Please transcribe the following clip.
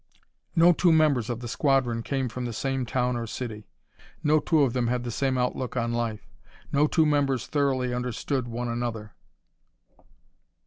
No two members of the squadron came from the same town or city; no two of them had the same outlook on life; no two members thoroughly understood one another.